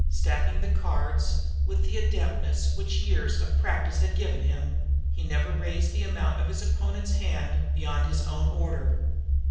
Stacking the cards, with the adeptness which years of practice had given to him, he never raised the amount of his opponent's hand beyond its own order.